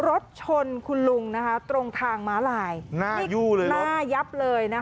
รถชนคุณลุงนะคะตรงทางม้าลายหน้ายู่เลยหน้ายับเลยนะคะ